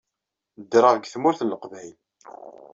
Ddreɣ deg Tmurt n Leqbayel.